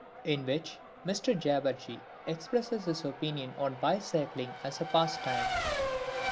V _In which Mr Jabberjee expresses his Opinions on Bicycling as a Pastime.